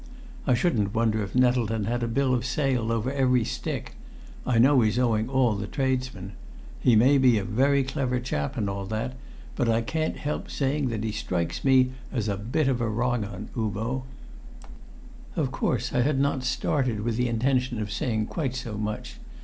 I shouldn't wonder if Nettleton had a bill of sale over every stick. I know he's owing all the tradesmen. He may be a very clever chap, and all that, but I can't help saying that he strikes me as a bit of a wrong 'un, Uvo." Of course I had not started with the intention of saying quite so much.